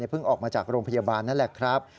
เพิ่งออกมาจากโรงพยาบาลนั่นแหละครับ